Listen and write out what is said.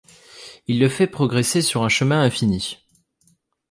Il le fait progresser sur un chemin infini.